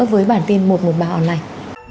với bản tin một trăm một mươi ba online